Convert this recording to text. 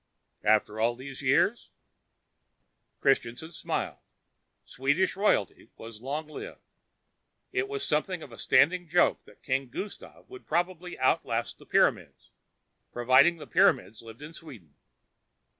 "After all these years?" Christianson smiled. Swedish royalty was long lived. It was something of a standing joke that King Gustaf would probably outlast the pyramids, providing the pyramids lived in Sweden.